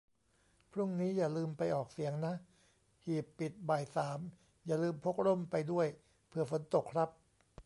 พรุ่งนี้อย่าลืมไปออกเสียงนะ ; หีบปิดบ่ายสาม อย่าลืมพกร่มไปด้วย เผื่อฝนตกครับ